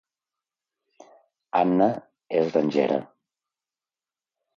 Anna és grangera